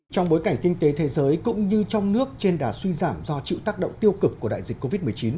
trong bối cảnh kinh tế thế giới cũng như trong nước trên đà suy giảm do chịu tác động tiêu cực của đại dịch covid một mươi chín